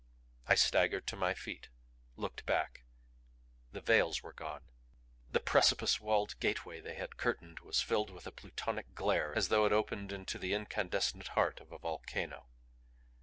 I staggered to my feet; looked back. The veils were gone. The precipice walled gateway they had curtained was filled with a Plutonic glare as though it opened into the incandescent heart of a volcano.